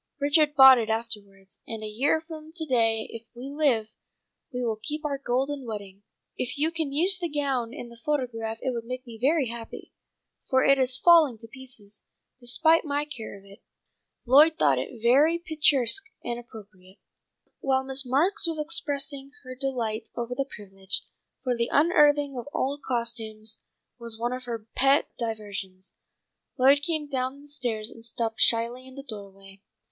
Richard bought it afterwards. And a year from to day if we live, we will keep our golden wedding. If you can use the gown in the photograph it will make me very happy, for it is falling to pieces, despite my care of it. Lloyd thought it very picturesque and appropriate." While Miss Marks was expressing her delight over the privilege, for the unearthing of old costumes was one of her pet diversions, Lloyd came down the stairs and stopped shyly in the doorway.